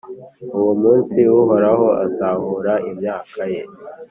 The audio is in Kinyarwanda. Uwo munsi, Uhoraho azahura imyaka ye,